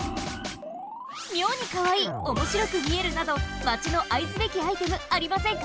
みょうにかわいいおもしろくみえるなどマチのあいすべきアイテムありませんか？